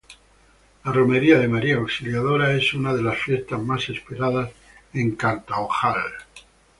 La Romería de María Auxiliadora es una de las fiestas más esperadas en Cartaojal.